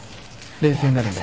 冷静になるんだ。